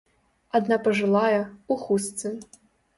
Адна пажылая, у хустцы.